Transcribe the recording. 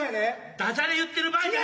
ダジャレ言ってる場合じゃ。